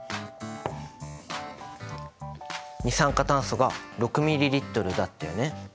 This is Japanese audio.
二酸化炭素が６ｍＬだったよね。